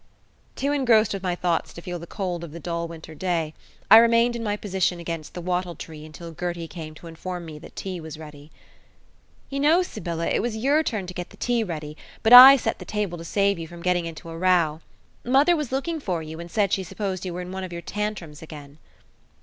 Too engrossed with my thoughts to feel the cold of the dull winter day, I remained in my position against the wattle tree until Gertie came to inform me that tea was ready. "You know, Sybylla, it was your turn to get the tea ready; but I set the table to save you from getting into a row. Mother was looking for you, and said she supposed you were in one of your tantrums again."